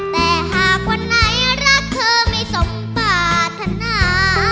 แต่หากวันไหนรักเธอไม่สมปรารถนา